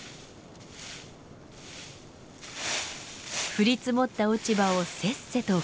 降り積もった落ち葉をせっせとかき集めます。